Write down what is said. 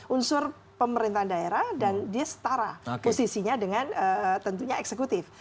unsur pemerintahan daerah dan dia setara posisinya dengan tentunya eksekutif